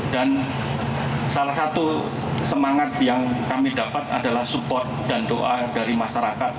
dan salah satu semangat yang kami dapat adalah support dan doa dari masyarakat